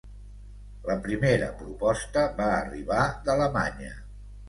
La primera proposta va arribar d’Alemanya.